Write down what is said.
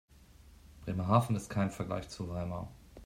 Bremerhaven ist kein Vergleich zu Weimar